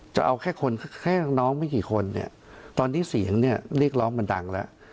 จะเอาแค่คนแค่น้องไม่กี่คนเนี่ยตอนนี้เสียงเนี่ยเรียกร้องมันดังแล้ว